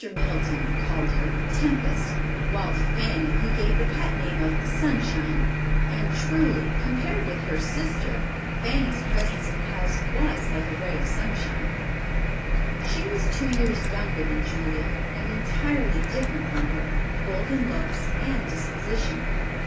Middleton called her "Tempest," while to Fanny he gave the pet name of "Sunshine," and truly, compared with her sister, Fanny's presence in the house was like a ray of sunshine. She was two years younger than Julia and entirely different from her, both in looks and disposition.